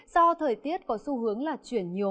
do thời tiết có xu hướng là chuyển nhuộm